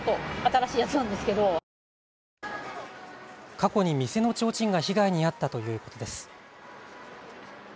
過去に店のちょうちんが被害に遭ったということです。